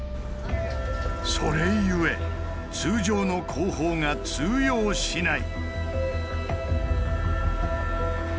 それゆえ通常の工法が通用しない。